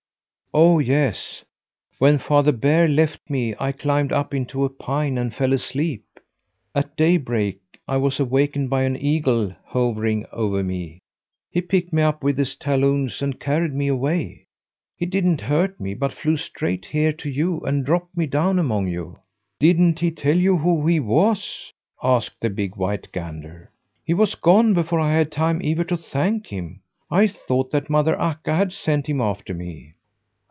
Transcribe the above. "Oh, yes! when Father Bear left me I climbed up into a pine and fell asleep. At daybreak I was awakened by an eagle hovering over me. He picked me up with his talons and carried me away. He didn't hurt me, but flew straight here to you and dropped me down among you." "Didn't he tell you who he was?" asked the big white gander. "He was gone before I had time even to thank him. I thought that Mother Akka had sent him after me."